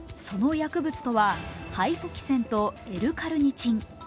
その薬物とはハイポキセンとＬ−カルニチン。